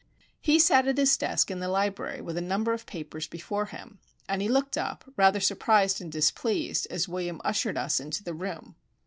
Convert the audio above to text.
He sat at his desk in the library with a number of papers before him, and he looked up, rather surprised and displeased, as William ushered us into the room.